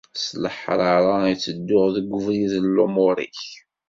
S leḥṛaṛa i ttedduɣ deg ubrid n lumuṛ-ik.